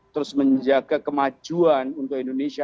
terus menjaga kemajuan untuk indonesia